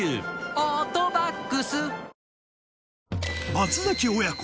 松崎親子